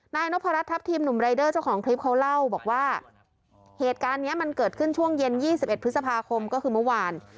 นายนพรัชทัพทีมหนุ่มรายเดอร์เจ้าของคลิปเขาเล่าบอกว่าเหตุการณ์นี้มันเกิดขึ้นช่วงเย็น๒๑พฤษภาคมก็คือเมื่อวาน